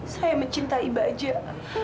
saya mencintai bajak